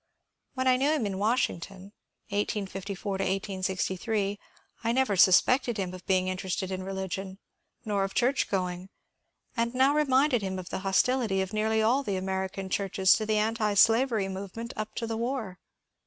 When I knew him in Washington (1864 1868) I never sus pected him of being interested in religion, nor of church going, and now reminded him of the hostility of nearly all American churches to the antislavery movement up to the war.